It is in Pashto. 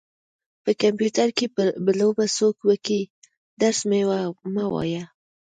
په کمپيوټر کې به لوبې څوک وکي درس مه وايه.